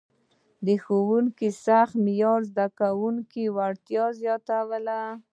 د ښوونکي سخت معیار د زده کوونکو وړتیا زیاتوله.